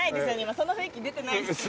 その雰囲気出てないです。